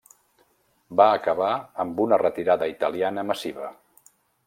Va acabar amb una retirada italiana massiva.